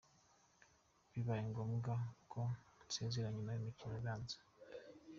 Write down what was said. Bibaye ngombwa ko nsezera, nyuma y’imikino ibanza.